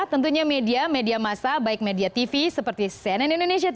tentunya media media massa baik media tv seperti cnn indonesia tv